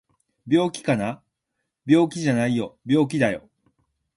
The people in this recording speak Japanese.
病気かな？病気じゃないよ病気だよ